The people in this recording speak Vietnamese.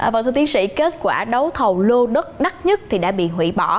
và thưa tiến sĩ kết quả đấu thầu lô đất đắt nhất thì đã bị hủy bỏ